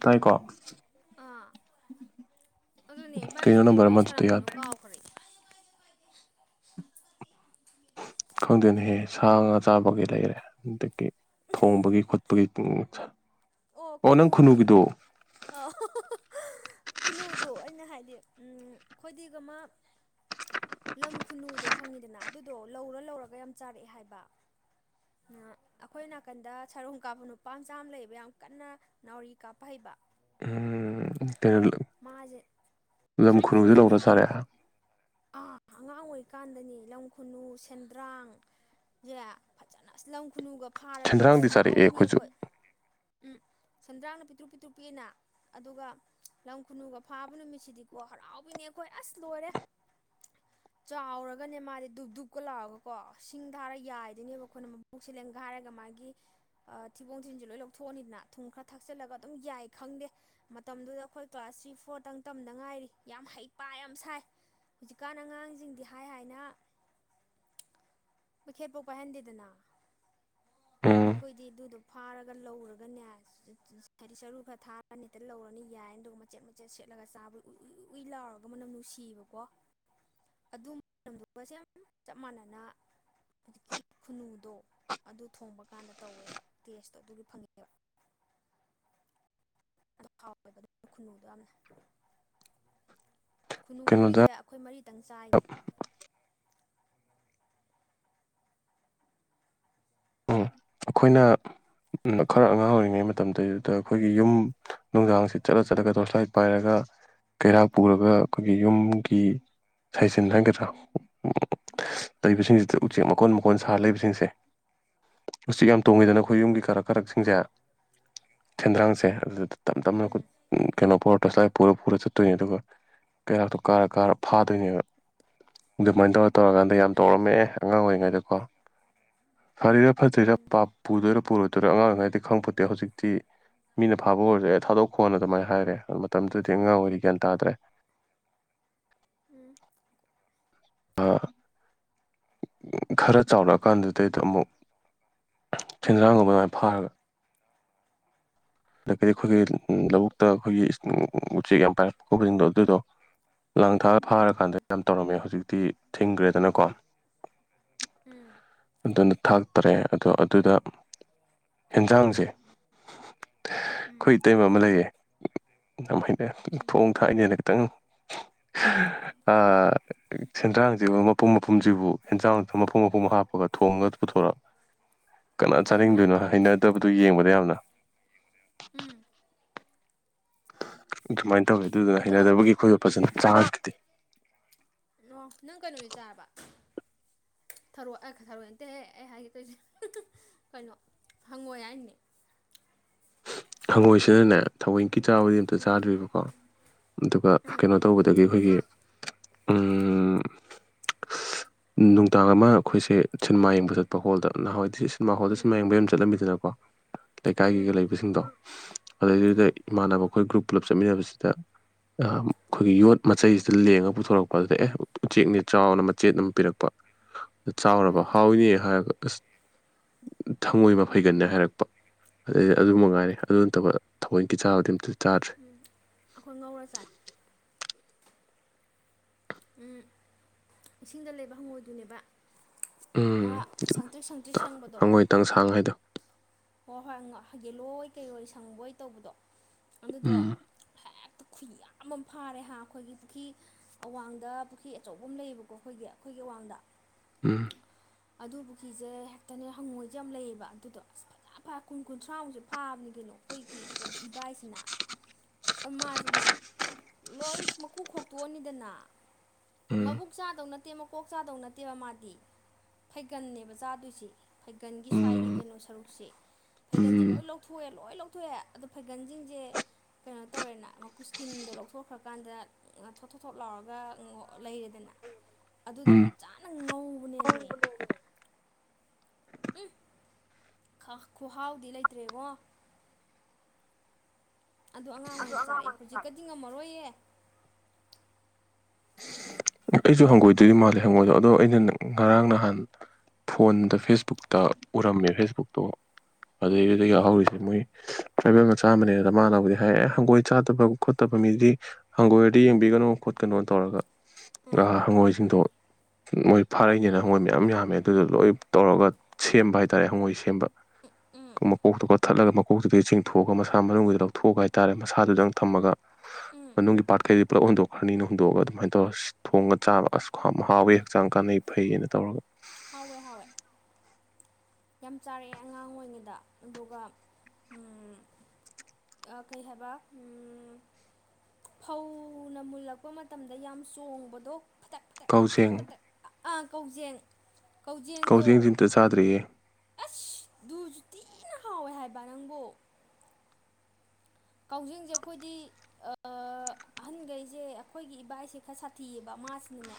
ꯇꯥꯏꯀꯣ ꯑꯥ ꯑꯗꯨꯅꯦ ꯏꯕꯥꯟꯅꯤꯁꯦ ꯀꯩꯅꯣ ꯀꯩ ꯅꯝꯕꯔ ꯋꯥꯔꯤ ꯑꯃꯗꯨꯗ ꯁꯥꯔꯝꯕꯅꯣ ꯌꯥꯗꯦ ꯀꯥꯎꯈ꯭ꯔꯦ ꯈꯪꯗꯅꯍꯦ ꯁꯥ ꯉꯥ ꯆꯥꯕꯒꯤ ꯂꯩꯔꯦ ꯑꯗꯒꯤ ꯊꯣꯡꯕꯒꯤ ꯈꯣꯠꯄꯒꯤ ꯑꯣ ꯅꯪ ꯈꯨꯅꯨꯒꯤꯗꯣ ꯑꯧ ꯈꯨꯟꯅꯨꯗꯣ ꯑꯩꯅ ꯍꯥꯏꯗꯤ ꯑꯝ ꯑꯈꯣꯏꯗꯤ ꯑꯃꯥ ꯂꯝ ꯈꯨꯅꯨꯗꯣ ꯈꯪꯉꯤꯗꯅ ꯑꯗꯨꯗꯣ ꯂꯧꯔ ꯂꯧꯔꯒ ꯌꯥꯝ ꯆꯥꯔꯛꯑꯦ ꯍꯥꯏꯕ ꯑꯥ ꯑꯩꯈꯣꯏ ꯅꯥꯀꯟꯗ ꯁꯥꯔꯣꯡ ꯀꯥꯞꯄ ꯅꯨꯄꯥꯆꯥ ꯑꯃ ꯂꯩꯌꯦꯕ ꯌꯥꯝ ꯀꯟꯅ ꯅꯥꯎꯔꯤ ꯀꯥꯞꯄ ꯍꯩꯕ ꯎꯝ ꯀꯩꯅꯣ ꯃꯥꯁꯦ ꯂꯝ ꯈꯨꯅꯨꯗ ꯊꯥꯏꯅꯅꯤꯍꯦ ꯂꯧꯔ ꯆꯥꯔꯦ ꯑꯉꯥꯡ ꯑꯥ ꯑꯉꯥꯡ ꯑꯣꯏꯔꯤꯀꯥꯟꯗꯅꯤ ꯂꯝ ꯈꯨꯅꯨ ꯁꯦꯟꯗ꯭ꯔꯥꯡ ꯁꯦ ꯐꯥꯖꯅ ꯑꯁ ꯂꯝ ꯈꯨꯅꯨꯒ ꯐꯥꯔꯗꯤ ꯑꯁ ꯁꯦꯟꯗ꯭ꯔꯥꯡꯗꯤ ꯆꯥꯔꯛꯑꯦ ꯍꯔꯥꯎꯕꯤꯅꯦ ꯑꯩꯈꯣꯏꯁꯨ ꯑꯩꯈꯣꯏ ꯎꯝ ꯁꯦꯟꯗ꯭ꯔꯥꯡꯅ ꯄꯤꯇ꯭ꯔꯨꯛ ꯄꯤꯇ꯭ꯔꯨꯛ ꯄꯤꯛꯑꯦꯅ ꯑꯗꯨꯒ ꯂꯝ ꯈꯨꯅꯨꯒ ꯐꯥꯕ ꯅꯨꯃꯤꯠꯁꯤꯗꯤꯀꯣ ꯍꯔꯥꯎꯕꯤꯅꯦ ꯑꯩꯈꯣꯏ ꯑꯁ ꯂꯣꯏꯔꯦ [inaudible] ꯆꯥꯎꯔꯒꯅꯦ ꯃꯥꯗꯤ ꯗꯨꯞ ꯗꯨꯨꯞꯀ ꯂꯥꯛꯔꯒꯀꯣ ꯁꯤꯡ ꯊꯥꯔ ꯌꯥꯏꯗꯣꯏꯅꯦꯕ ꯑꯩꯈꯣꯏꯅ ꯃꯕꯨꯛꯁꯤ ꯂꯦꯟꯒꯥꯏꯔꯒ ꯃꯥꯒꯤ ꯑꯥ ꯊꯤꯕꯣꯡ ꯊꯤꯔꯤꯟꯁꯦ ꯂꯣꯏꯟ ꯂꯧ ꯊꯣꯛꯑꯅꯤꯗ ꯊꯨꯝ ꯈꯔ ꯊꯥꯛꯆꯤꯂꯒ ꯑꯗꯨꯝ ꯌꯥꯏ ꯈꯪꯗꯦ ꯃꯇꯝꯗꯨꯗ ꯑꯩꯈꯣꯏ ꯀ꯭ꯂꯥꯁ ꯊ꯭ꯔꯤ ꯐꯣꯔꯇꯪ ꯇꯝꯗ ꯉꯥꯏꯔꯤ ꯌꯥꯝ ꯍꯩꯄꯥ ꯌꯥꯝ ꯁꯥꯏ ꯍꯧꯖꯤꯛꯀꯥꯟ ꯑꯉꯥꯡꯖꯤꯡꯗꯤ ꯍꯥꯏ ꯍꯥꯏꯅ ꯃꯩꯈꯦꯠꯄꯧ ꯄꯥꯏꯍꯟꯗꯦꯗꯅ ꯎꯝ ꯑꯩꯈꯣꯏꯗꯤ ꯑꯗꯨꯗꯣ ꯐꯥꯔꯒ ꯂꯧꯔꯒꯅꯦ ꯍꯥꯏꯗꯤ ꯆꯔꯨ ꯈꯔ ꯊꯥꯔꯅꯤ ꯍꯦꯛꯇ ꯂꯧꯔꯅꯤ ꯌꯥꯏ ꯑꯗꯨꯒ ꯃꯆꯦꯠ ꯃꯆꯦꯠ ꯁꯦꯠꯂꯒ ꯆꯥꯕ ꯎꯏ ꯎꯏ ꯎꯏ ꯎꯏ ꯂꯥꯎꯔꯒ ꯃꯅꯝ ꯅꯨꯡꯁꯤꯕꯀꯣ [inaudible] ꯑꯗꯨ ꯃꯇꯝꯗꯨꯒꯁꯦ ꯌꯥꯝ ꯆꯞ ꯃꯥꯟꯅꯅ ꯍꯧꯖꯤꯛꯀꯤ ꯈꯨꯅꯨꯗꯣ ꯑꯗꯨ ꯊꯣꯡꯕ ꯀꯥꯟꯗ ꯇꯧꯋꯦꯕ ꯇꯦꯁꯇꯣ ꯑꯗꯨꯒꯤ ꯐꯪꯉꯤ ꯉꯦꯕ ꯑꯗꯨ ꯍꯥꯎꯋꯦꯕ ꯑꯗꯨꯏ ꯈꯨꯟꯅꯨꯗꯣ ꯌꯥꯝꯅ ꯈꯨꯟꯅꯨ ꯀꯩꯅꯣꯗ ꯃꯔꯤꯖꯦ ꯈꯣꯏ ꯃꯔꯤꯇꯪ ꯆꯥꯏꯅꯤ ꯎꯝ ꯑꯩꯈꯣꯏꯅ ꯎꯝ ꯈꯔ ꯑꯉꯥꯡ ꯑꯣꯏꯔꯤꯉꯩ ꯃꯇꯝꯗꯨꯗꯩꯗꯨꯗ ꯑꯩꯈꯣꯏ ꯌꯨꯝ ꯅꯨꯡꯗꯥꯡꯁꯤ ꯆꯠꯂ ꯆꯠꯂꯒ ꯇꯣꯔꯁ ꯂꯥꯏꯠ ꯄꯥꯏꯔꯒ ꯀꯩꯔꯥꯛ ꯄꯨꯔꯒ ꯈꯣꯏꯒꯤ ꯌꯨꯝꯒꯤ ꯁꯥꯏꯖꯤꯟ ꯍꯥꯏꯒꯗ꯭ꯔꯥ ꯎꯝ ꯂꯩꯕꯁꯤꯡꯁꯤꯗ ꯎꯆꯦꯛ ꯃꯀꯣꯟ ꯃꯀꯣꯟ ꯁꯥꯔ ꯎꯝ ꯂꯩꯕꯁꯤꯡꯁꯦ ꯎꯆꯦꯛ ꯌꯥꯝ ꯇꯣꯡꯉꯤꯗꯅ ꯑꯩꯈꯣꯏ ꯌꯨꯝꯒꯤ ꯀꯔꯛ ꯀꯔꯛꯁꯤꯡꯖꯦ ꯎꯝ ꯁꯦꯟꯗ꯭ꯔꯥꯡꯁꯦ ꯑꯗꯨꯗ ꯇꯞ ꯇꯞꯅ ꯈꯨꯠ ꯀꯩꯅꯣ ꯄꯣꯔꯥ ꯇꯣꯔꯆ ꯂꯥꯏꯠ ꯄꯨꯔ ꯄꯨꯔ ꯆꯠꯇꯣꯏꯅꯦ ꯑꯗꯨꯒ ꯀꯩꯔꯥꯛꯇꯣ ꯀꯥꯔ ꯀꯥꯔ ꯐꯥꯗꯣꯏꯅꯦꯕ ꯑꯗꯨꯃꯥꯏꯅ ꯇꯧꯔ ꯇꯧꯔꯀꯥꯟꯗ ꯌꯥꯝ ꯎꯝ ꯇꯧꯔꯝꯃꯦ ꯑꯉꯥꯡ ꯑꯣꯏꯔꯤꯉꯩꯗꯀꯣ ꯐꯔꯤꯔꯥ ꯐꯠꯇꯔ꯭ꯤꯔꯥ ꯎꯝ ꯄꯨꯗꯣꯏꯔꯥ ꯄꯨꯔꯣꯏꯗꯣꯏꯔꯣ ꯑꯉꯥꯡ ꯑꯣꯏꯔꯤꯉꯩꯗꯩ ꯈꯪꯄꯣꯟꯇꯦ ꯍꯧꯖꯤꯛꯇꯤ ꯃꯤꯅ ꯐꯥꯕ ꯑꯣꯏꯔꯖꯨ ꯑꯦ ꯊꯥꯗꯣꯛꯈꯣꯅ ꯑꯗꯨꯃꯥꯏꯅ ꯍꯥꯏꯔꯦ ꯑꯣ ꯃꯇꯝꯗꯨꯗꯤ ꯑꯉꯥꯡ ꯑꯣꯏꯔꯤ ꯒ꯭ꯌꯥꯟ ꯇꯥꯗ꯭ꯔꯦ ꯎꯝ ꯑꯥ ꯈꯔ ꯆꯥꯎꯔꯛꯑꯀꯥꯟꯗꯨꯗꯩꯗ ꯑꯃꯨꯛ ꯁꯦꯟꯗꯔ꯭ꯥꯡ ꯒꯨꯝꯕ ꯗꯨꯃꯥꯏꯅ ꯐꯥꯔꯒ ꯑꯗꯒꯤꯗꯤ ꯑꯩꯈꯣꯏꯒꯤ ꯂꯧꯕꯨꯛꯇ ꯑꯩꯈꯣꯏꯒꯤ ꯎꯆꯦꯛ ꯌꯥꯝ ꯄꯥꯏꯔꯛꯄ ꯈꯣꯠꯁꯤꯡꯗꯣ ꯑꯗꯨꯗꯣ ꯂꯥꯡ ꯊꯥꯛꯑ ꯐꯥꯔꯀꯥꯟꯗ ꯎꯝ ꯌꯥꯝ ꯇꯧꯔꯝꯃꯦ ꯍꯧꯖꯤꯛꯇꯤ ꯊꯤꯡꯒꯔ꯭ꯦꯗꯅꯀꯣ ꯎꯝ ꯑꯗꯨꯅ ꯊꯥꯛꯇꯔꯦ ꯑꯗꯣ ꯑꯗꯨꯗ ꯍꯦꯟꯖꯥꯡꯁꯦ ꯎꯝ ꯑꯩꯈꯣꯏ ꯇꯩꯕ ꯑꯃ ꯂꯩꯌꯦ ꯌꯥꯝ ꯍꯩꯅ ꯎꯝ ꯊꯣꯡ ꯊꯥꯛꯏꯅꯦꯅ ꯈꯤꯇꯪ [inaudible] ꯑꯥꯥ ꯁꯦꯟꯗ꯭ꯔꯥꯡꯖꯤꯕꯨ ꯃꯄꯨꯝ ꯃꯄꯨꯝꯖꯤꯕꯨ ꯍꯦꯟꯖꯥꯡ ꯃꯄꯨꯝ ꯃꯄꯨꯝ ꯍꯥꯞꯄꯒ ꯊꯣꯡꯉꯒ ꯄꯨꯊꯣꯔꯛ ꯀꯅꯥ ꯍꯩꯃꯥ ꯆꯥꯅꯤꯡꯗꯣꯏꯅꯣ ꯍꯩꯅꯗꯕꯗꯨ ꯌꯦꯡꯕꯗ ꯌꯥꯝꯅ ꯎꯝ ꯑꯗꯨꯃꯥꯏꯅ ꯇꯧꯋꯦ ꯑꯗꯨꯗꯨꯅ ꯑꯗꯣ ꯍꯩꯅꯗꯕꯒꯤ ꯑꯩꯈꯣꯏꯗꯣ ꯐꯖꯅ ꯆꯥꯒꯤꯇꯦ ꯅꯣ ꯅꯪ ꯀꯩꯅꯣꯗꯤ ꯆꯥꯔꯕ ꯊꯔꯣ ꯑ ꯈꯊꯔꯣꯏ ꯅꯠꯇꯦꯍꯦ ꯑꯩ ꯍꯥꯏꯒꯦ ꯇꯧꯏꯖꯦ ꯀꯩꯅꯣ ꯍꯪꯉꯣꯏ ꯍꯥꯏꯅꯦ ꯍꯪꯉꯣꯏꯁꯤꯅꯅꯦ ꯊꯑꯣꯏꯟꯀꯤ ꯆꯥꯕꯗꯤ ꯑꯝꯇ ꯎꯝ ꯆꯥꯗ꯭ꯔꯤꯕꯀꯣ ꯑꯗꯨꯒ ꯎꯝ ꯀꯩꯅꯣ ꯇꯧꯕꯗꯒꯤ ꯑꯩꯈꯣꯏꯒꯤ ꯎꯝ ꯅꯨꯡꯗꯥꯡ ꯑꯃ ꯑꯩꯈꯣꯏꯁꯦ ꯁꯤꯅꯦꯃꯥ ꯌꯦꯡꯕ ꯆꯠꯄ ꯍꯣꯜꯗ ꯅꯍꯥꯟꯋꯥꯏꯗꯤ ꯁꯤꯅꯦꯃꯥ ꯍꯣꯜꯗ ꯁꯤꯅꯦꯃꯥ ꯌꯦꯡꯕ ꯌꯥꯝ ꯆꯠꯂꯝꯃꯤꯗꯅꯀꯣ ꯎꯝ ꯂꯩꯀꯥꯏꯒꯤꯒ ꯂꯩꯕꯁꯤꯡꯗꯣ ꯑꯗꯩꯗꯨꯗ ꯎꯝ ꯏꯃꯥꯟꯅꯕ ꯑꯩꯈꯣꯏ ꯒ꯭ꯔꯨꯞ ꯄꯨꯂꯞ ꯆꯠꯃꯤꯟꯅꯕꯁꯤꯗ ꯑꯥ ꯈꯣꯏꯒꯤ ꯌꯣꯠ ꯃꯆꯩꯁꯤꯗ ꯂꯦꯡꯉꯒ ꯄꯨꯊꯣꯔꯛꯄ ꯑꯗꯨꯗ ꯑꯦ ꯎꯆꯦꯛꯅꯦ ꯆꯥꯎꯅ ꯃꯆꯦꯠ ꯑꯃ ꯄꯤꯔꯛꯄ ꯗ ꯆꯥꯎꯔꯕ ꯎꯝ ꯍꯥꯎꯏꯅꯦ ꯍꯥꯏꯔꯒ ꯑꯁ ꯊꯉꯣꯏ ꯃꯐꯩꯒꯟꯅꯦ ꯍꯥꯏꯔꯛꯄ ꯑꯗꯩꯗꯤ ꯑꯗꯨ ꯃꯉꯥꯏꯔꯦ ꯑꯗꯨ ꯅꯠꯇꯕ ꯊꯑꯣꯏꯟꯀꯤ ꯆꯥꯕꯗꯤ ꯑꯝꯇ ꯆꯥꯗ꯭ꯔꯤ ꯎꯝ ꯑꯩꯈꯣꯏ ꯉꯧꯔ ꯆꯥꯏ ꯎꯝ ꯏꯁꯤꯡꯗ ꯂꯩꯕ ꯍꯪꯉꯣꯏꯗꯨꯅꯦꯕ ꯑꯃ ꯁꯪꯇ꯭ꯔꯤꯛ ꯁꯪꯇ꯭ꯔꯤꯛ ꯁꯪꯕꯗꯣ ꯇꯪ ꯁꯥꯡ ꯍꯥꯏꯗꯣ ꯍꯣꯏ ꯍꯣꯏ ꯍꯪ ꯌꯦꯜꯂꯣ ꯑꯣꯏ ꯀꯩꯑꯣꯏ ꯁꯪꯕꯣꯏ ꯇꯧꯕꯗꯣ ꯑꯗꯨꯗꯣ ꯎꯝ ꯍꯦꯛꯇ ꯈꯨꯌꯥꯝ ꯑꯝ ꯐꯥꯔꯦ ꯍꯥ ꯑꯩꯈꯣꯏꯒꯤ ꯄꯨꯈꯤ ꯑꯋꯥꯡꯗ ꯄꯨꯈ꯭ꯔꯤ ꯑꯆꯧꯕꯝ ꯂꯩꯌꯦꯕꯀꯣ ꯑꯩꯈꯣꯏꯒꯤ ꯑꯩꯈꯣꯏꯒꯤ ꯑꯋꯥꯡꯗ ꯎꯝ ꯑꯗꯨ ꯄꯨꯈ꯭ꯔꯤꯁꯦ ꯍꯦꯛꯇꯅꯦ ꯍꯪꯉꯣꯏꯖꯦ ꯌꯥꯝ ꯂꯩꯌꯦꯕ ꯑꯗꯨꯗꯣ ꯑꯁ ꯌꯥꯝ ꯐꯥ ꯀꯨꯟ ꯀꯨꯟꯊ꯭ꯔꯥꯃꯨꯛꯁꯦ ꯐꯥꯕꯅꯤ ꯀꯩꯅꯣ ꯑꯩꯈꯣꯏꯒꯤ ꯏꯕꯥꯏꯁꯤꯅ ꯑꯃꯥꯖꯤꯅ ꯂꯣꯏ ꯃꯀꯨ ꯈꯣꯛꯇꯣꯛꯑꯅꯤꯗꯅ ꯎꯝ ꯃꯕꯨꯛ ꯆꯥꯗꯧ ꯅꯠꯇꯦ ꯃꯀꯣꯛ ꯆꯥꯗꯧ ꯅꯠꯇꯦꯕ ꯃꯥꯗꯤ ꯐꯩꯒꯟꯅꯦꯕ ꯆꯥꯗꯣꯏꯖꯦ ꯐꯩꯒꯟꯒꯤ ꯁ꯭ꯋꯥꯏꯒꯤ ꯎꯝ ꯀꯩꯅꯣ ꯁꯔꯨꯛꯁꯦ ꯐꯩꯒꯟꯁꯦ ꯎꯝ ꯂꯣꯏ ꯂꯧ ꯊꯣꯛꯑꯦ ꯂꯣꯏ ꯂꯧꯊꯣꯛꯑꯦ ꯑꯗꯣ ꯐꯩꯒꯜꯖꯤꯡꯖꯦ ꯀꯩꯅꯣ ꯇꯧꯔꯦꯅ ꯃꯀꯨ ꯁ꯭ꯀꯤꯟꯗꯣ ꯂꯧꯊꯣꯛꯈ꯭ꯔꯀꯥꯟꯗ ꯊꯣꯠ ꯊꯣ ꯊꯣꯠ ꯂꯥꯎꯔꯒ ꯂꯩꯔꯦꯗꯅ ꯑꯗꯨꯗꯣ ꯎꯝ ꯐꯖꯅ ꯉꯧꯕꯅꯦꯃꯤ ꯎꯝꯐ ꯈ ꯈꯨꯍꯥꯎꯗꯤ ꯂꯩꯇ꯭ꯔꯦ ꯏꯕꯨꯡꯉꯣ ꯑꯗꯣ ꯑꯉꯥꯡ ꯑꯣꯏꯔꯤꯉꯩ ꯆꯥꯔꯛꯑꯦ ꯍꯧꯖꯤꯛꯀꯗꯤ ꯉꯝꯃꯔꯣꯏꯌꯦ ꯅꯨꯄꯤꯁꯨ ꯍꯪꯒꯣꯏꯗꯣꯏ ꯃꯥꯜꯂꯦ ꯍꯪꯉꯣꯏꯗꯣ ꯑꯗꯣ ꯑꯩꯅ ꯉꯔꯥꯡ ꯅꯍꯥꯟ ꯐꯣꯟꯗ ꯐꯦꯁꯕꯨꯛꯇ ꯎꯔꯝꯃꯦ ꯐꯦꯁꯕꯨꯛꯇꯣ ꯎꯝ ꯑꯗꯨꯗꯩꯗꯨꯗ ꯌꯥꯎꯍꯧꯔꯤꯁꯦ ꯃꯣꯏ ꯇ꯭ꯔꯥꯏꯕꯦꯜ ꯃꯆꯥ ꯑꯃꯅꯦ ꯑꯗ ꯃꯥꯅꯕꯨꯗꯤ ꯍꯥꯏꯔꯛꯑꯦ ꯍꯪꯒꯣꯏ ꯆꯥꯗꯕ ꯈꯣꯠꯇꯕ ꯃꯤꯗꯤ ꯍꯪꯒꯣꯏꯗ ꯌꯦꯡꯕꯤꯒꯅꯨ ꯈꯣꯠꯀꯅꯣ ꯇꯧꯔꯒ ꯎꯝ ꯍꯪꯒꯣꯏꯁꯤꯡꯗꯣ ꯃꯣꯏ ꯐꯥꯔꯛꯏꯅꯦꯅ ꯍꯪꯒꯣꯏ ꯃꯌꯥꯝ ꯌꯥꯝꯃꯦ ꯑꯗꯨꯗꯣ ꯂꯣꯏ ꯇꯧꯔꯒ ꯁꯦꯝꯕ ꯍꯥꯏꯇꯥꯔꯦ ꯍꯪꯉꯣꯏ ꯁꯦꯝꯕ ꯎꯝ ꯃꯀꯣꯛꯇꯨ ꯀꯛꯊꯠꯂꯒ ꯃꯀꯣꯛꯇꯨꯗꯩ ꯆꯤꯡꯊꯣꯛꯑꯒ ꯃꯁꯥ ꯃꯅꯨꯡꯒꯤꯗꯨ ꯂꯧꯊꯣꯛꯑꯒ ꯍꯥꯏꯇꯥꯔꯦ ꯃꯁꯥꯗꯨꯗꯪ ꯊꯝꯃꯒ ꯎꯝ ꯃꯅꯨꯡꯒꯤ ꯄꯥꯠꯈꯩꯗꯤ ꯄꯨꯂꯞ ꯍꯨꯟꯗꯣꯛꯈ꯭ꯔꯅꯤꯅ ꯍꯣꯟꯗꯣꯛꯑꯒ ꯑꯗꯨꯃꯥꯏꯅ ꯇꯧꯔ ꯁꯦ ꯊꯣꯡꯉ ꯆꯥꯕ ꯑꯁ ꯈꯌꯥꯝ ꯍꯥꯎꯋꯦ ꯍꯛꯆꯥꯡ ꯀꯥꯟꯅꯩ ꯐꯩꯌꯦꯅ ꯇꯧꯔꯒ ꯍꯥꯎꯋꯦ ꯍꯥꯎꯋꯦ ꯌꯥꯝ ꯆꯥꯔꯛꯑꯦ ꯑꯉꯥꯡ ꯑꯣꯏꯔꯤꯉꯩꯗ ꯑꯗꯨꯒ ꯎꯝ ꯑ ꯀꯩ ꯍꯥꯏꯕ ꯎꯝ ꯐꯧꯅ ꯃꯨꯜꯂꯛꯄ ꯃꯇꯝꯗ ꯌꯥꯝ ꯆꯣꯡꯕꯗꯣ ꯐꯠꯇꯛ ꯇꯛ ꯐꯇ꯭ꯔꯛ ꯀꯥꯎꯖꯦꯡ ꯐꯇ꯭ꯔꯛ ꯑ ꯥ ꯀꯧꯖꯦꯡ ꯀꯥꯎꯖꯤꯡꯁꯤ ꯀꯧꯖꯦꯡꯗꯣ ꯑꯝꯇ ꯆꯥꯗ꯭ꯔꯤꯌꯦ ꯑꯁ ꯗꯨꯖꯨ ꯊꯤꯅ ꯍꯥꯎꯋꯦ ꯍꯥꯏꯕ ꯅꯪꯕꯣ ꯀꯥꯎꯖꯤꯡꯖꯦ ꯑꯩꯈꯣꯏꯗꯤ ꯑꯍꯟꯒꯩꯁꯦ ꯑꯩꯈꯣꯏꯒꯤ ꯏꯕꯥꯏꯁꯦ ꯈꯔ ꯁꯥꯊꯤꯌꯦꯕ ꯃꯥꯁꯤꯅꯅꯦ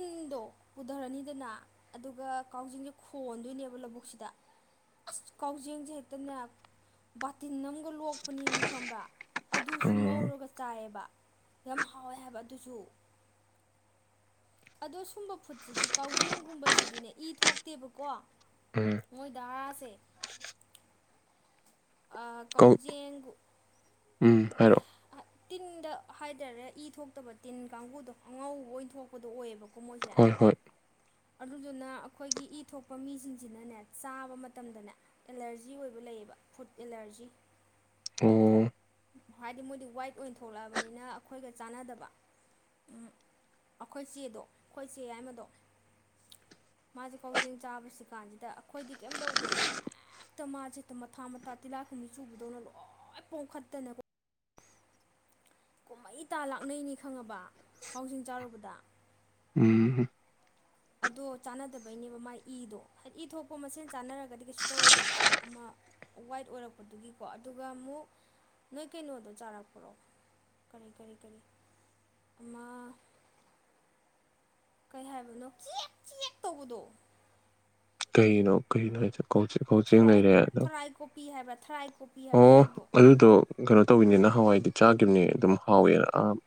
ꯏꯟꯗꯣ ꯄꯨꯗꯔꯅꯤꯗꯅ ꯑꯗꯨꯒ ꯀꯥꯎꯖꯤꯡꯖꯦ ꯈꯣꯟꯗꯣꯏꯅꯦꯕ ꯂꯧꯕꯨꯛꯁꯤꯗ ꯑꯁ ꯀꯥꯎꯖꯦꯡꯁꯦ ꯍꯦꯛꯇꯅꯦ ꯕꯥꯇꯤꯟ ꯑꯝ ꯂꯣꯛꯄꯅꯦꯃꯤ ꯈꯪꯕ꯭ꯔ ꯑꯗꯨꯁꯨ ꯎꯝ ꯉꯧꯔꯒ ꯆꯥꯏꯌꯦꯕ ꯌꯥꯝ ꯍꯥꯎꯋꯦ ꯍꯥꯏꯕ ꯑꯗꯨꯁꯨ ꯑꯗꯣ ꯁꯨꯝꯕ ꯐꯨꯠꯁꯤꯗꯤ ꯀꯥꯎꯖꯦꯡꯒꯨꯝꯕꯁꯤꯗꯤꯅꯦ ꯏ ꯊꯣꯛꯇꯦꯕꯀꯣ ꯎꯝ ꯃꯣꯏ ꯗꯔꯥ ꯁꯦ ꯑꯥ ꯀꯧ ꯀꯧꯖꯦꯡꯒꯨ ꯎꯝ ꯍꯥꯏꯔꯛꯑꯣ ꯇꯤꯟꯗ ꯍꯥꯏꯇꯥꯔꯦ ꯏ ꯊꯣꯛꯇꯕ ꯇꯤꯟ ꯀꯥꯡꯉꯨꯗꯣ ꯑꯉꯧꯕ ꯑꯣꯏꯅ ꯊꯣꯛꯄꯗꯣ ꯑꯣꯏꯌꯦꯕ ꯀꯣꯃꯣꯏꯖꯦ ꯍꯣꯏ ꯍꯣꯏ ꯑꯗꯨꯗꯨꯅ ꯑꯈꯣꯏꯒꯤ ꯏ ꯊꯣꯛꯄ ꯃꯤꯖꯤꯡꯖꯤꯅꯅꯦ ꯆꯥꯕ ꯃꯇꯝꯗꯅꯦ ꯑꯦꯂꯔꯖꯤ ꯑꯣꯏꯕ ꯂꯩꯌꯦꯕ ꯐꯨꯗ ꯑꯦꯂꯔꯖꯤ ꯑꯣ ꯍꯥꯏꯗꯤ ꯃꯣꯏꯗꯤ ꯋꯥꯏꯠ ꯑꯣꯏꯅ ꯊꯣꯛꯂꯛꯑꯕꯅꯤꯅ ꯑꯈꯣꯏꯒ ꯆꯥꯟꯅꯗꯕ ꯎꯝ ꯑꯈꯣꯏ ꯆꯦꯗꯣ ꯑꯩꯈꯣꯏ ꯆꯦ ꯌꯥꯏꯃꯗꯣ ꯃꯥꯖꯦ ꯀꯥꯎꯖꯦꯡ ꯆꯥꯕꯁꯤ ꯀꯥꯟꯖꯤꯗ ꯑꯈꯣꯏꯗꯤ ꯀꯩꯝ ꯇꯧꯗꯦꯕ [unintelligible] ꯍꯦꯛꯇ ꯃꯥꯖꯦ ꯍꯦꯛꯇ ꯃꯊꯥ ꯃꯊꯥ ꯇꯤꯜꯂꯥꯈꯨꯝꯕꯤ ꯆꯨꯕꯗꯧꯅ ꯂꯣꯏ ꯄꯣꯝꯈꯠꯇꯅ ꯀꯨꯝꯍꯩ ꯇꯥ ꯂꯥꯛꯅꯩꯅꯤ ꯈꯪꯉꯕ ꯀꯥꯎꯖꯦꯡ ꯆꯥꯔꯨꯕꯗ ꯎꯝ ꯑꯗꯣ ꯆꯥꯟꯅꯗꯕꯩꯅꯦꯕ ꯃꯥꯏ ꯏꯗꯣ ꯍꯥꯏ ꯏ ꯊꯣꯛꯄ ꯃꯁꯦꯟ ꯆꯥꯟꯅꯔꯒꯗꯤ ꯀꯩꯁꯨ ꯇꯧꯔꯣꯏꯗꯕ ꯑꯃ ꯋꯥꯏꯠ ꯑꯣꯏꯔꯛꯄꯗꯨꯒꯤꯀꯣ ꯑꯗꯨꯒ ꯑꯃꯨꯛ ꯅꯣꯏ ꯀꯩꯅꯣꯗꯣ ꯆꯥꯔꯛꯄ꯭ꯔꯣ ꯀꯔꯤ ꯀꯔꯤ ꯀꯔꯤ ꯑꯃ ꯀꯩ ꯍꯥꯏꯕꯅꯣ [unintelligible] ꯇꯧꯕꯗꯣ ꯀꯩꯅꯣ ꯀꯩꯅꯣ ꯍꯥꯏꯖꯦ ꯀꯧꯖꯦꯡ ꯀꯧꯖꯦꯡ ꯊꯣꯔꯥꯏ ꯂꯩꯔꯦ ꯑꯗꯣ ꯊꯣꯔꯥꯏ ꯀꯣꯄꯤ ꯍꯥꯏꯕ꯭ꯔꯥ ꯊꯔꯥꯏ ꯀꯣꯄꯤ ꯍꯥꯏꯕ꯭ꯔꯥ ꯑꯃ ꯑꯣ ꯂꯩꯕꯗꯣ ꯑꯗꯨꯗꯣ ꯀꯅꯣ ꯇꯧꯋꯤꯅꯦꯅ ꯍꯋꯥꯏꯗꯤ ꯆꯥꯒꯤꯝꯅꯦ ꯑꯗꯨꯝ ꯍꯥꯎꯋꯦꯅ ꯑꯥꯝ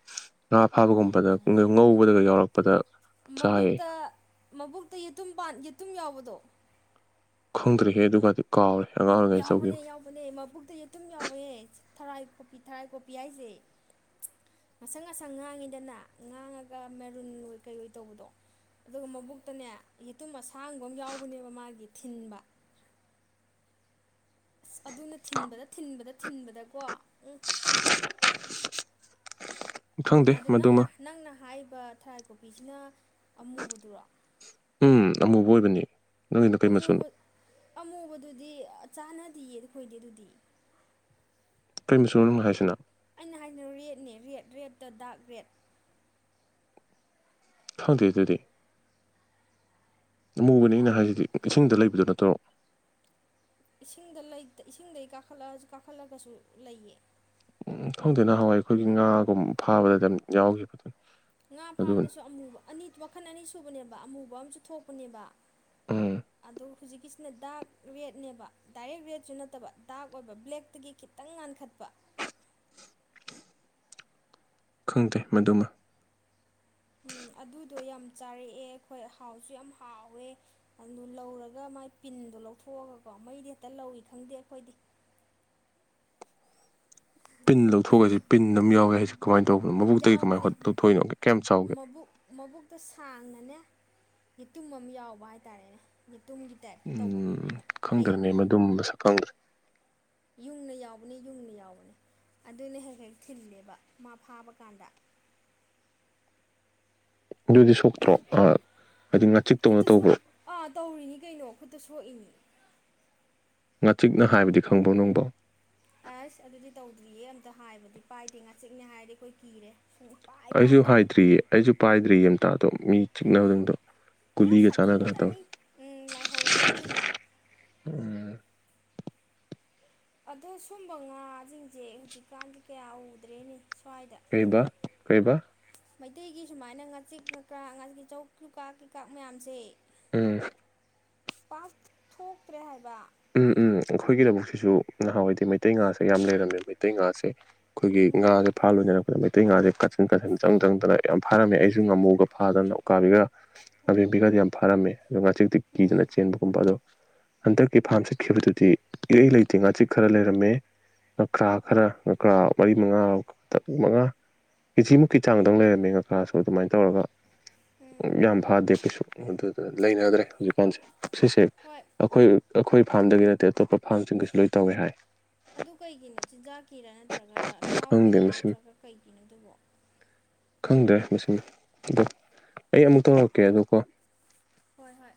ꯉꯥ ꯐꯥꯕꯒꯨꯝꯕꯗ ꯉꯥ ꯉꯧꯕꯗꯒ ꯌꯥꯎꯔꯛꯄꯗ ꯆꯥꯏꯌꯦ ꯃꯕꯨꯛꯇ ꯃꯕꯨꯛꯇ ꯌꯦꯇꯨꯝꯄꯥꯟ ꯌꯦꯇꯨꯝ ꯌꯥꯎꯕꯗꯣ ꯈꯪꯗ꯭ꯔꯦꯍꯦ ꯑꯗꯨꯒꯗꯤ ꯀꯥꯎꯔꯦ ꯑꯉꯥꯡ ꯑꯣꯏꯔꯤꯉꯩ ꯆꯧꯒꯤꯝ ꯌꯥꯎꯕꯅꯦ ꯌꯥꯎ ꯕꯅꯦ ꯃꯕꯨꯛꯇ ꯌꯦꯇꯨꯝ ꯌꯥꯎꯋꯦ ꯊꯔꯥꯏ ꯀꯣꯄꯤ ꯊꯔꯥꯏ ꯀꯣꯄꯤ ꯍꯥꯏꯖꯦ ꯉꯁꯪ ꯉꯁꯪ ꯉꯥꯡꯉꯤꯗꯅ ꯉꯥꯡꯉꯒ ꯃꯔꯨꯟ ꯑꯣꯏ ꯀꯩ ꯑꯣꯏ ꯇꯧꯕꯗꯣ ꯑꯗꯨꯒ ꯃꯕꯨꯛꯇꯅꯦ ꯌꯦꯇꯨꯝ ꯑꯁꯥꯡꯕ ꯑꯝ ꯌꯥꯎꯕꯅꯦꯕ ꯃꯥꯒꯤ ꯊꯤꯟꯕ ꯑꯁ ꯑꯗꯨꯅ ꯊꯤꯟꯕꯗ ꯊꯤꯟꯕꯗ ꯊꯤꯟꯕꯗꯀꯣ ꯎꯝ ꯈꯪꯗꯦ ꯑꯗꯨ ꯃꯗꯨꯃ ꯅꯪꯅ ꯅꯪꯅ ꯍꯥꯏꯔꯤꯕ ꯊꯔꯥꯏ ꯀꯣꯛꯄꯤꯁꯤꯅ ꯑꯃꯨꯕꯗꯨꯔꯣ ꯎꯝ ꯑꯃꯨꯕ ꯑꯣꯏꯕꯅꯦ ꯑꯃꯨꯕ ꯑꯃꯨꯕꯗꯨꯗꯤ ꯑ ꯆꯥꯟꯅꯗꯤꯌꯦ ꯑꯈꯣꯏꯗꯤ ꯑꯗꯨꯗꯤ ꯀꯩ ꯃꯆꯨꯅꯣ ꯅꯪꯅ ꯍꯥꯏꯁꯤꯅ ꯑꯩꯅ ꯍꯥꯏꯖꯤꯅ ꯔꯦꯗꯅꯦ ꯔꯦꯗ ꯔꯦꯗꯇ ꯗꯥꯛ ꯔꯦꯗ ꯈꯪꯗꯦ ꯑꯗꯨꯗꯤ ꯑꯃꯨꯕꯅꯦ ꯑꯩꯅ ꯍꯥꯏꯖꯤꯗꯤ ꯏꯁꯤꯡꯗ ꯂꯩꯕꯗꯣ ꯅꯠꯇ꯭ꯔꯣ ꯏꯁꯤꯡꯗ ꯂꯩꯇ ꯏꯁꯤꯡꯗꯩ ꯀꯥꯈꯠꯂꯑꯖꯨ ꯀꯥꯈꯠꯂꯒꯁꯨ ꯂꯩꯌꯦ ꯎꯝ ꯈꯪꯗꯦ ꯅꯍꯥꯋꯥꯏ ꯑꯩꯈꯣꯏꯒꯤ ꯉꯥꯒꯨꯝ ꯐꯥꯕꯗ ꯑꯗꯨꯝ ꯌꯥꯎꯒꯤꯕꯗꯨꯅꯤ ꯉꯥ ꯐꯥꯕꯗꯁꯨ ꯑꯃꯨꯕ ꯑꯅꯤ ꯃꯈꯜ ꯑꯅꯤ ꯁꯨꯕꯅꯦꯕ ꯑꯃꯨꯕ ꯑꯝꯁꯨ ꯊꯣꯛꯄꯅꯦꯕ ꯎꯝ ꯑꯗꯣ ꯍꯧꯖꯤꯛꯀꯤꯁꯤꯅ ꯗꯥꯛ ꯔꯦꯗꯅꯦꯕ ꯗꯥꯏꯔꯦꯛ ꯔꯦꯗꯁꯨ ꯅꯠꯇꯕ ꯗꯥꯛ ꯑꯣꯏꯕ ꯕ꯭ꯂꯦꯛꯇꯒꯤ ꯈꯤꯇꯪ ꯉꯥꯟꯈꯠꯄ ꯈꯪꯗꯦ ꯃꯗꯨꯃ ꯎꯝ ꯑꯗꯨꯗꯣ ꯌꯥꯝ ꯆꯥꯔꯛꯑꯦ ꯑꯈꯣꯏ ꯍꯥꯎꯁꯨ ꯌꯥꯝ ꯍꯥꯎꯋꯦ ꯑꯗꯨ ꯂꯧꯔꯒ ꯃꯥꯏ ꯄꯤꯟꯗꯣ ꯂꯧꯊꯣꯛꯑꯒꯀꯣ ꯃꯩꯗ ꯍꯦꯛꯇ ꯂꯧꯏ ꯈꯪꯗꯦ ꯑꯈꯣꯏꯗꯤ ꯄꯤꯟ ꯑꯗꯣ ꯂꯧꯊꯣꯛꯑꯒꯍꯥꯏꯖꯤ ꯄꯤꯟ ꯑꯝ ꯌꯥꯎꯋꯦ ꯍꯥꯏꯖꯤ ꯀꯃꯥꯏ ꯇꯧꯕꯅꯣ ꯃꯕꯨꯛꯇꯒꯤ ꯀꯃꯥꯏ ꯌꯥꯎꯕꯅꯦ ꯍꯣꯠ ꯂꯧꯊꯣꯛꯏꯅꯣ ꯀꯌꯥꯝ ꯆꯥꯎꯒꯦ ꯃꯕꯨꯛ ꯃꯕꯨꯛꯇ ꯁꯥꯡꯅꯅꯦ ꯌꯦꯇꯨꯝ ꯑꯝ ꯌꯥꯎꯕ ꯍꯥꯏꯇꯥꯔꯦꯅꯦ ꯌꯦꯇꯨꯝꯒꯤ ꯇꯦꯛ ꯇꯧꯕꯒ ꯍꯥꯏꯅ ꯐꯩꯅ ꯇꯨꯝꯕꯁꯨꯐꯪꯗ꯭ꯔꯦ ꯌꯨꯡꯅ ꯌꯥꯎꯕꯅꯤ ꯌꯨꯡꯅ ꯌꯥꯎꯕꯅꯤ ꯑꯗꯨꯅ ꯍꯦꯛ ꯍꯦꯛ ꯊꯤꯜꯂꯦꯕ ꯃꯥ ꯐꯥꯕ ꯀꯥꯟꯗ꯫ ꯑꯗꯨꯗꯤ ꯃꯥ ꯁꯣꯛꯇ꯭ꯔꯣ ꯑ ꯍꯥꯏꯗꯤ ꯉꯥꯆꯤꯛꯇꯧꯅ ꯈꯨꯠꯇ ꯁꯣꯛ ꯇꯧꯕ꯭ꯔꯣ꯫ ꯑꯥ ꯇꯧꯔꯤꯅꯤ ꯀꯩꯅꯣ ꯈꯨꯠꯇ ꯁꯣꯛꯏꯅꯤ꯫ ꯉꯥꯆꯤꯛꯅ ꯍꯥꯏꯕꯗꯤ ꯈꯪꯕ꯭ꯔꯣ ꯅꯪꯕꯣ꯫ ꯑꯁ ꯑꯗꯨꯗꯤ ꯇꯧꯗ꯭ꯔꯤꯌꯦ ꯑꯝꯇ ꯍꯥꯏꯕꯗꯤ ꯄꯥꯏꯗꯦ ꯉꯥꯆꯤꯛꯅꯦ ꯍꯥꯏꯔꯗꯤ ꯑꯩꯈꯣꯏ ꯀꯤꯔꯦ꯫ ꯁꯨꯡꯄꯥꯏ ꯑꯩꯁꯨ ꯄꯥꯏꯗ꯭ꯔꯦ ꯍꯥꯏꯗ꯭ꯔꯤꯌꯦ ꯑꯩꯁꯨ ꯄꯥꯏꯗ꯭ꯔꯤ ꯑꯝꯇ ꯑꯗꯣ ꯃꯤ ꯆꯤꯛꯅꯕꯁꯤꯡꯗꯣ꯫ ꯑꯁ ꯁꯥꯊꯤꯈꯔꯖꯥꯠꯅꯤ ꯎ ꯂꯥꯏꯍꯧ ꯍꯧꯗꯣꯏꯅꯤ꯫ ꯎꯝ꯫ ꯑꯗꯣ ꯁꯨꯝꯕ ꯉꯥꯁꯤꯡꯁꯦ ꯍꯧꯖꯤꯛꯀꯥꯟꯗꯤ ꯀꯌꯥ ꯎꯗ꯭ꯔꯦꯅꯦ ꯁ꯭ꯋꯥꯏꯗ꯫ ꯀꯩꯕ ꯀꯩꯕ꯫ ꯃꯩꯇꯩꯒꯤ ꯁꯨꯃꯥꯏꯅ ꯉꯥꯆꯤꯛ ꯉꯥꯀ꯭ꯔ ꯉꯥꯀꯤꯆꯧ ꯂꯨꯀꯥ ꯀꯩꯀꯥ ꯃꯌꯥꯝꯁꯦ꯫ ꯎꯝ꯫ ꯄꯥꯛ ꯊꯣꯛꯇ꯭ꯔꯦ ꯍꯥꯏꯕ꯫ ꯎꯝ ꯎꯝ ꯑꯩꯈꯣꯏꯒꯤ ꯂꯧꯕꯨꯛꯁꯤꯁꯨ ꯅꯍꯥꯟꯋꯥꯏꯗꯤ ꯃꯩꯇꯩ ꯉꯥꯁꯦ ꯌꯥꯝ ꯂꯩꯔꯝꯃꯦ ꯃꯩꯇꯩ ꯉꯥꯁꯦ ꯑꯩꯈꯣꯏꯒꯤ ꯎꯝ ꯉꯥꯥꯁꯦ ꯐꯥ ꯂꯣꯏꯅꯔꯛꯄꯗ ꯃꯩ ꯇꯩ ꯉꯥꯁꯦ ꯀꯥꯆꯤꯟ ꯀꯥꯆꯤꯟ ꯆꯪ ꯆꯪꯗꯅ ꯌꯥꯝ ꯐꯔꯝꯃꯦ ꯑꯩꯁꯨ ꯉꯥꯃꯨꯒ ꯐꯥꯗꯅ ꯎꯀꯥꯕꯤꯒ ꯉꯥꯕꯤꯕꯤꯒꯗꯤ ꯌꯥꯝ ꯐꯔꯝꯃꯦ ꯑꯗꯣ ꯉꯥꯆꯤꯛꯇꯤ ꯀꯤꯗꯅ ꯆꯦꯟꯕꯒꯨꯝꯕ ꯑꯗꯣ ꯀꯤ ꯐꯥꯝ ꯁꯤꯠꯈꯤꯕꯗꯨꯗꯤ ꯏꯔꯩ ꯂꯩꯇꯦ ꯉꯥꯆꯤꯛ ꯈꯔ ꯂꯩꯔꯝꯃꯦ ꯅꯀ꯭ꯔꯥ ꯈꯔ ꯅꯀ꯭ꯔꯥ ꯃꯔꯤ ꯃꯉꯥ ꯇꯛ ꯃꯉꯥ ꯀꯦꯖꯤꯃꯨꯛꯀꯤ ꯆꯥꯡꯗꯪ ꯂꯩꯔꯝꯃꯦ ꯉꯥꯀ꯭ꯔꯥꯁꯨ ꯑꯗꯨꯃꯥꯏꯅ ꯇꯧꯔꯒ ꯎꯝ ꯌꯥꯝ ꯐꯗꯦ ꯀꯩꯁꯨ ꯑꯗꯨꯗ ꯂꯩꯅꯗ꯭ꯔꯦ ꯍꯧꯖꯤꯛꯀꯥꯟꯁꯦ ꯁꯤꯁꯦ ꯍꯣꯏ ꯑꯩꯈꯣꯏ ꯑꯩꯈꯣꯏ ꯐꯥꯝꯗꯪꯒꯤ ꯅꯠꯇꯦ ꯑꯇꯣꯞꯄ ꯐꯥꯔꯝꯁꯤꯡꯒꯤꯁꯨ ꯂꯣꯏ ꯇꯧꯋꯦ ꯍꯥꯏ꯫ ꯑꯗꯨ ꯀꯩꯒꯤꯅꯣ ꯆꯤꯟꯖꯥꯛꯀꯤꯔ ꯅꯠꯇ꯭ꯔꯒ ꯈꯪꯗꯦ ꯂꯩꯍꯥꯎꯒꯤꯔ ꯃꯁꯤꯡ ꯅꯠꯇ꯭ꯔꯒ ꯀꯩꯒꯤꯅꯣ ꯑꯗꯨꯕꯣ꯫ ꯈꯪꯗꯦ ꯃꯁꯤꯡ ꯑꯗꯣ ꯑꯩ ꯑꯃꯨꯛ ꯇꯧꯔꯛꯀꯦ ꯑꯗꯣ ꯀꯣ꯫ ꯍꯣꯏ ꯍꯣꯏ꯫